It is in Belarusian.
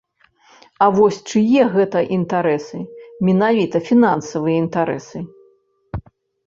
А вось чые гэта інтарэсы, менавіта фінансавыя інтарэсы?